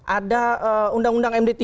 ada undang undang md tiga